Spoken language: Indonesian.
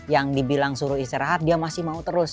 yang dibilang suruh istirahat dia masih mau terus